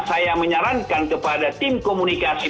saya menyarankan kepada tim komunikasi